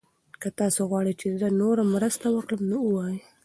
که تاسي غواړئ چې زه نوره مرسته وکړم نو ووایئ.